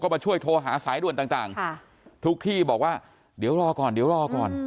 มาช่วยโทรหาสายด่วนต่างทุกที่บอกว่าเดี๋ยวรอก่อนเดี๋ยวรอก่อน